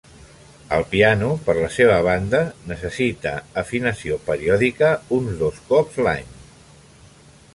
El piano, per la seva banda, necessita afinació periòdica, uns dos cops l'any.